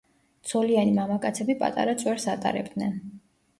ცოლიანი მამაკაცები პატარა წვერს ატარებდნენ.